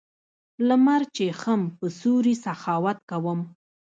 لمر چېښم په سیوري سخاوت کوم